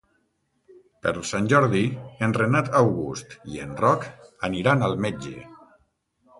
Per Sant Jordi en Renat August i en Roc aniran al metge.